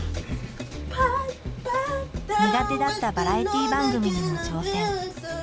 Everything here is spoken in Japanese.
苦手だったバラエティー番組にも挑戦。